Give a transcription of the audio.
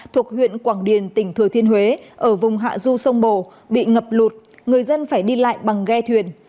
thuộc huyện quảng điền tỉnh thừa thiên huế ở vùng hạ du sông bồ bị ngập lụt người dân phải đi lại bằng ghe thuyền